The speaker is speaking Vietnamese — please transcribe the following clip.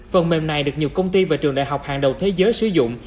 phần mềm này được nhiều công ty và trường đại học hàng đầu thế giới sử dụng